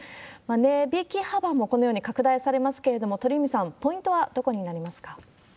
値引き幅もこのように拡大されますけれども、鳥海さん、ポイントはどこになりますか？